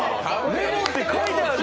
レモンって書いてある。